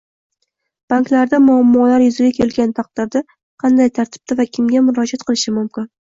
banklarda muammolar yuzaga kelgan taqdirda qanday tartibda va kimga murojaat qilishim mumkin?